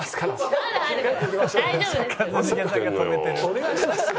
お願いしますよ。